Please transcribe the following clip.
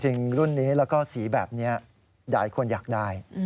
รุ่นนี้แล้วก็สีแบบนี้หลายคนอยากได้